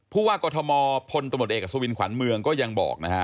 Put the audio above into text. ผู้ว่ากรทมพลตำรวจเอกอสวินขวัญเมืองก็ยังบอกนะฮะ